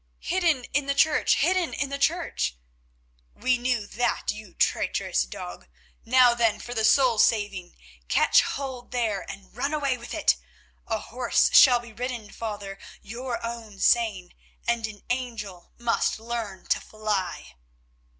"Hidden in the church, hidden in the church." "We knew that, you traitorous dog. Now then for the soul saving. Catch hold there and run away with it. A horse should be ridden, father—your own saying—and an angel must learn to fly."